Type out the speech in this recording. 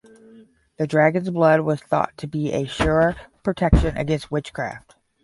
The dragon's blood was thought to be a sure protection against witchcraft.